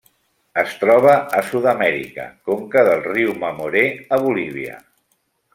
Es troba a Sud-amèrica: conca del riu Mamoré a Bolívia.